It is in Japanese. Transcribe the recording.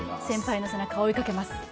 先輩の背中を追いかけます！